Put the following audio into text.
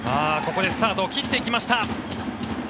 ここでスタートを切ってきました。